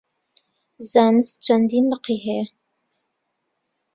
زانست چەندین لقی هەیە.